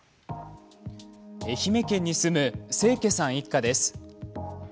愛媛県に住む清家さん一家です。